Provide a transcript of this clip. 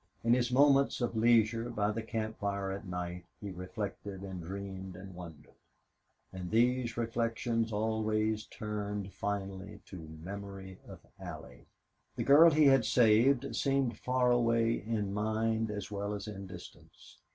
In his moments of leisure, by the camp fire at night, he reflected and dreamed and wondered. And these reflections always turned finally to memory of Allie. The girl he had saved seemed far away in mind as well as in distance.